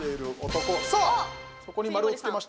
そこに丸をつけました。